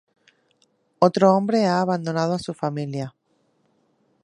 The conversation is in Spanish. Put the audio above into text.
Otro hombre ha abandonado a su familia.